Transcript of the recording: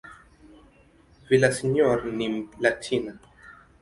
Villaseñor ni "Mlatina".